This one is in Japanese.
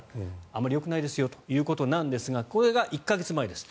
あまりよくないですよということなんですがこれが１か月前です。